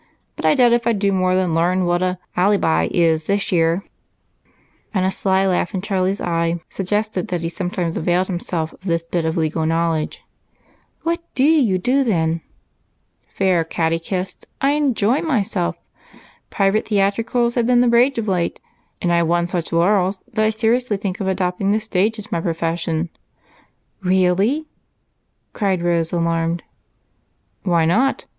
But I doubt if I do more than learn what 'a allybi' is this year," and a sly laugh in Charlie's eye suggested that he sometimes availed himself of this bit of legal knowledge. "What do you do then?" "Fair catechist, I enjoy myself. Private theatricals have been the rage of late, and I have won such laurels that I seriously think of adopting the stage as my profession." "Really!" cried Rose, alarmed. "Why not?